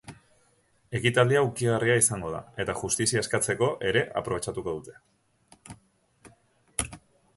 Ekitaldia hunkigarria izango da eta justizia eskatzeko ere aprobetxatuko dute.